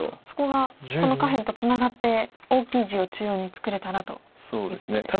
そこがこの下辺とツナがって大きい地を中央に作れたらということですね。